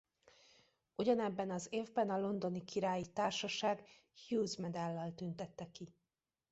Ugyanebben az évben a Londoni Királyi Társaság Hughes Medállal tüntette ki.